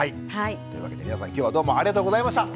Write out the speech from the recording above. というわけで皆さん今日はどうもありがとうございました。